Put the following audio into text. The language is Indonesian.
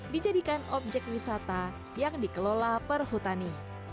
dijadikan objek wisata yang dikelola perhutani